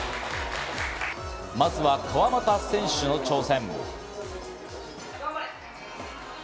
まずは川又選手の挑戦。